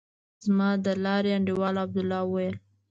زما د لارې انډيوال عبدالله وويل.